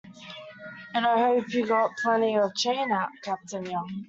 And I hope you've got plenty of chain out, Captain Young.